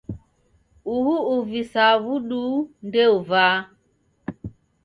Uhu uvisaa w'uduu ndeuvaa.